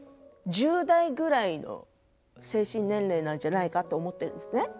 １０代くらいの精神年齢じゃないかなと思っているんですね。